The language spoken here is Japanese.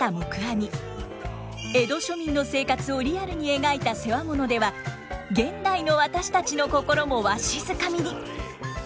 江戸庶民の生活をリアルに描いた世話物では現代の私たちの心もわしづかみに！